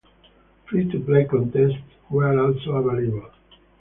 Free-to-play contests were also available.